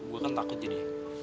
gue kan takut jadi